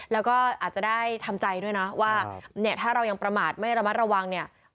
แล้วก็อาจจะได้ทำใจด้วยนะว่าเนี่ยถ้าเรายังประมาทไม่ระมัดระวังเนี่ย